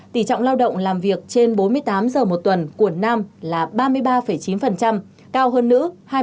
tỷ trọng lao động làm việc trên bốn mươi tám giờ một tuần của nam là ba mươi ba chín cao hơn nữ hai mươi bốn